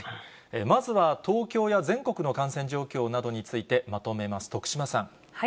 まずは東京や全国の感染状況などについてまとめます、徳島さん。